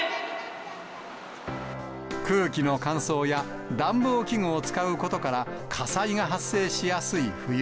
空気の乾燥や暖房器具を使うことから、火災が発生しやすい冬。